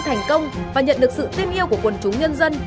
thành công và nhận được sự tin yêu của quần chúng nhân dân